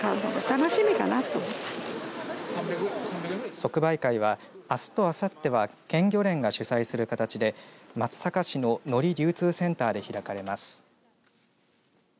即売会は、あすとあさっては県漁連が主催する形で松阪市ののり流通センターで開かれます。